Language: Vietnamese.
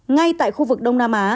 ngay tại khu vực đông nam á